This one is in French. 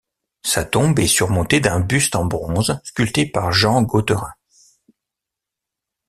Sa tombe est surmontée d'un buste en bronze sculpté par Jean Gautherin.